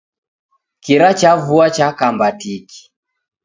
Kira cha vua chakamba tiki